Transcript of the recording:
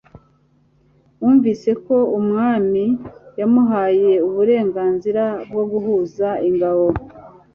bumvise ko umwami yamuhaye uburenganzira bwo guhuruza ingabo